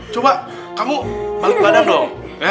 cuma kamu balik badan dong